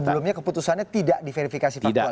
sebelumnya keputusannya tidak diverifikasi faktual ya bang